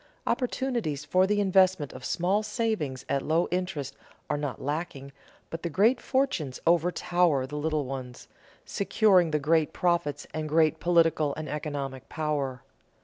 Opportunities for the investment of small savings at low interest are not lacking, but the great fortunes overtower the little ones, securing the great profits and great political and economic power.